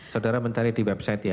saudara mencari di website ya